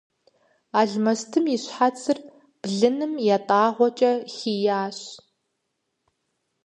Алмэстым и щхьэцыр блыным ятӏагъуэкӏэ хийящ.